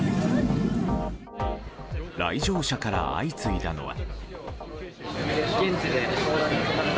来場者から相次いだのは。